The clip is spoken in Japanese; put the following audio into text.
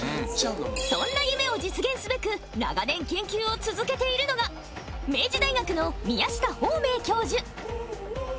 そんな夢を実現すべく長年研究を続けているのが明治大学の宮下芳明教授